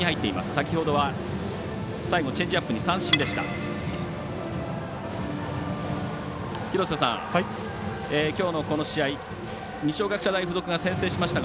先ほどは、最後チェンジアップの三振でした。